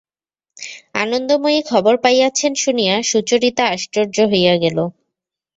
আনন্দময়ী খবর পাইয়াছেন শুনিয়া সুচরিতা আশ্চর্য হইয়া গেল।